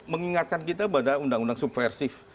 mengingatkan kita pada undang undang subversif